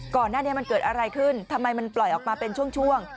ก่อนหน้านี้มันเกิดอะไรขึ้นทำไมมันปล่อยออกมาเป็นช่วง